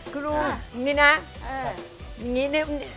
คุณลูกอย่างนี้นะ